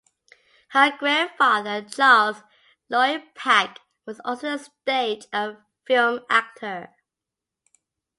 Her grandfather, Charles Lloyd-Pack, was also a stage and film actor.